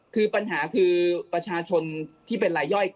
คือปัญหาคือประชาชนที่เป็นรายย่อย